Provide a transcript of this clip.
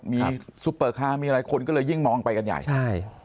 มีซุปเปอร์คาร์มีอะไรคนก็เลยยิ่งมองไปกันใหญ่ใช่